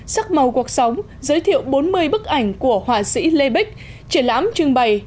sắc màu cuộc sống giới thiệu bốn mươi bức ảnh của họa sĩ lê bích triển lãm trưng bày